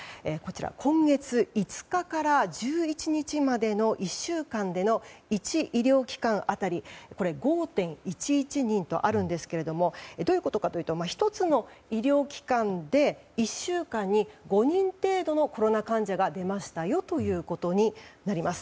今月５日から１１日までの１週間での１医療機関当たり５．１１人とあるんですがどういうことかというと１つの医療機関で１週間に５人程度のコロナ患者が出ましたよということになります。